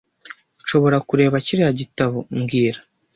Nshobora kureba kiriya gitabo mbwira